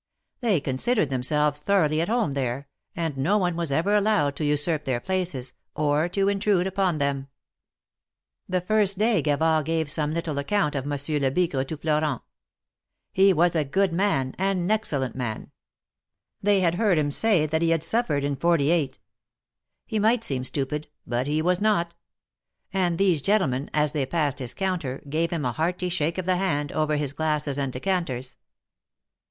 They con sidered themselves thoroughly at home there, and no one was ever allowed to usurp their places, or to intrude upon them. The first day Gavard gave some little account of Mon sieur Lebigre to Florent. He was a good man — an excellent man. They had heard him say that he had suffered in ^8. He might seem stupid, but he was not; and these gentlemen, as they passed his counter, gave him a hearty shake of the hand, over his glasses and decanters.